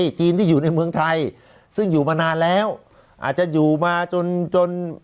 จีนที่อยู่ในเมืองไทยซึ่งอยู่มานานแล้วอาจจะอยู่มาจนจน